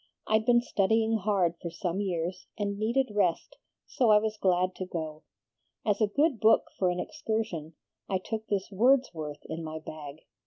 I'd been studying hard for some years, and needed rest, so I was glad to go. As a good book for an excursion, I took this Wordsworth in my bag.